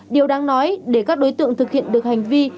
điều đáng nói để các đối tượng thực hiện được hành vi